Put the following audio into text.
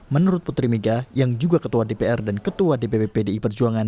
menurut putri mega yang juga ketua dpr dan ketua dpp pdi perjuangan